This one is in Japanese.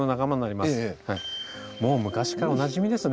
もう昔からおなじみですね。